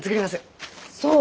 そう？